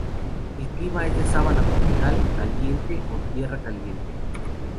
El clima es de Sabana Tropical Caliente o Tierra Caliente.